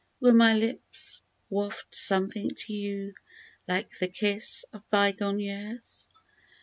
Will my lips waft something to you like the kiss of bygone years